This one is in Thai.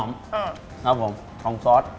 ครับผมของซอส